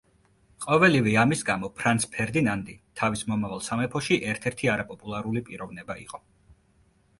ყოველივე ამის გამო ფრანც ფერდინანდი თავის მომავალ სამეფოში ერთ-ერთი არაპოპულარული პიროვნება იყო.